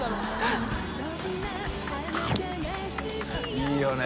いいよね。